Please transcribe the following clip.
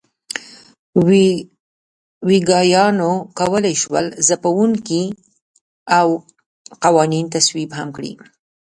ویګیانو کولای شول ځپونکي او قوانین تصویب هم کړي.